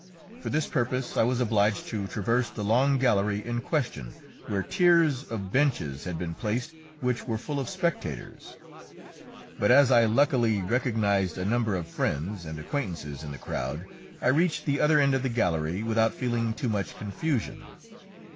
For this purpose I was obliged to traverse the long gallery in question, where tiers of benches had been placed which were full of spectators. But as I luckily recognised a number of friends and acquaintances in the crowd, I reached the other end of the gallery without feeling too much confusion.